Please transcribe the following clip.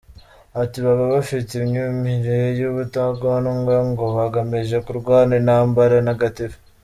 Ati “Baba bafite imyumire y’ubutagondwa, ngo bagamije kurwana intambara ntagatifu.